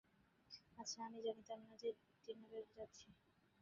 আচ্ছা, আমি জানতাম না যে ডিনারে যাচ্ছি।